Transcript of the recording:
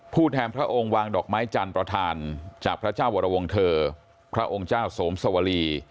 แทนพระองค์วางดอกไม้จันทร์ประธานจากพระเจ้าวรวงเถอร์พระองค์เจ้าสมสวรี